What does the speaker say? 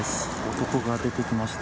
男が出てきました。